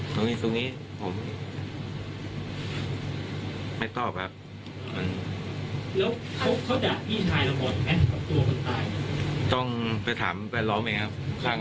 ต้องไปถามแวดล้อมเองครับข้างบ้านต้องไปถามแวดล้อมเองครับ